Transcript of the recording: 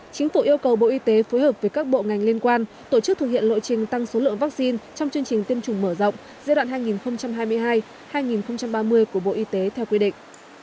chính phủ yêu cầu bộ y tế phối hợp với các bộ ngành liên quan tổ chức thực hiện lộ trình tăng số lượng vaccine trong chương trình tiêm chủng mở rộng giai đoạn hai nghìn hai mươi hai hai nghìn ba mươi của bộ y tế theo quy định